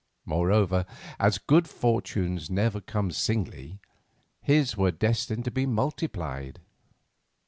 Moreover, as good fortunes never come singly, his were destined to be multiplied.